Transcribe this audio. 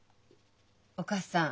お義母さん。